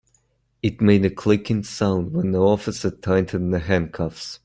It made a clicking sound when the officer tightened the handcuffs.